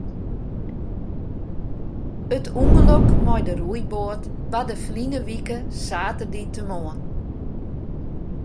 It ûngelok mei de roeiboat barde ferline wike saterdeitemoarn.